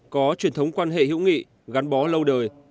có truyền thống quan hệ hữu nghị gắn bó lâu đời